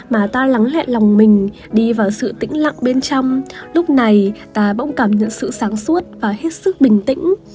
mà ta lắng lại lòng mình đi vào sự tĩnh lặng bên trong lúc này ta bỗng cảm nhận sự sáng suốt và hết sức bình tĩnh